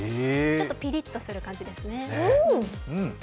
ちょっとピリッとする感じですね。